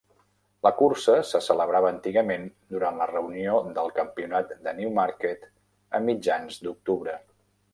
La cursa se celebrava antigament durant la reunió del Campionat de Newmarket a mitjan octubre.